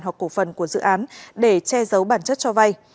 hoặc cổ phần của dự án để che giấu bản chất cho vay